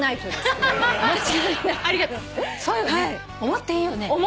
思っていいよね。